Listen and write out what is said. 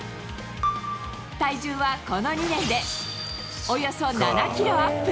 体重はこの２年で、およそ７キロアップ。